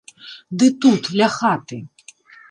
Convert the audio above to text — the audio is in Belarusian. Ды тут, ля хаты.